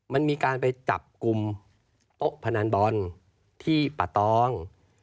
มันมีการไปจับกลุ่มโต๊ะพนันบอลที่ปะตอง